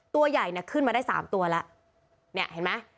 ตัวใหญ่ขึ้นมาได้๓ตัวแล้วเนี่ยเห็นไหม